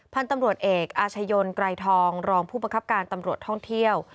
พันธุ์ตำรวจเอกอาชญนไกรทองรองผู้ประคับการตำรวจท่องเที่ยว